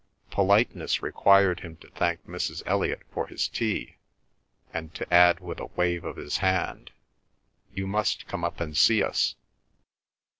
Politeness required him to thank Mrs. Elliot for his tea, and to add, with a wave of his hand, "You must come up and see us."